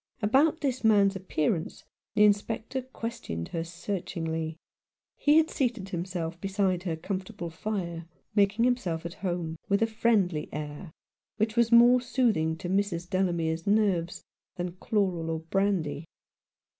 About this man's appearance the Inspector ques tioned her searchingly. He had seated himself beside her comfortable fire, making himself at home, with a friendly air which was more soothing to Mrs. Delamere's nerves than chloral or brandy.